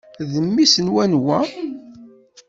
D mmi-s n wanwa?